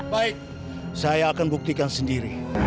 baik saya akan buktikan sendiri